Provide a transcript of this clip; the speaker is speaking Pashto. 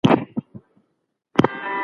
خلګ بايد د ځمکي په پيدايښت کي تدبر وکړي.